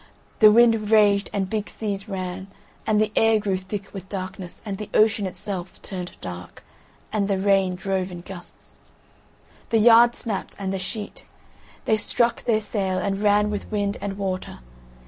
The wind raged and big seas ran, and the air grew thick with darkness, and the ocean itself turned dark, and the rain drove in gusts. The yard snapped, and the sheet; they struck their sail, and ran with wind and water.